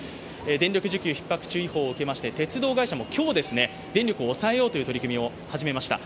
電力需給ひっ迫注意報を受けまして鉄道会社も今日、電力を抑えようという取り組みが始まりました。